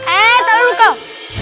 eh tahan dulu kau